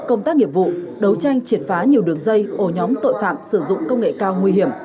công tác nghiệp vụ đấu tranh triệt phá nhiều đường dây ổ nhóm tội phạm sử dụng công nghệ cao nguy hiểm